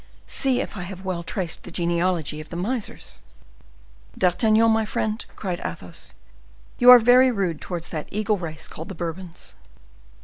See if I have well traced the genealogy of the misers?" "D'Artagnan, my friend," cried Athos, "you are very rude towards that eagle race called the Bourbons."